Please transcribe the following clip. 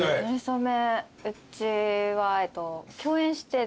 うちは。